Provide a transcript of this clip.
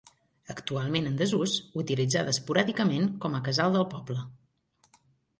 Actualment en desús, utilitzada esporàdicament com a casal del poble.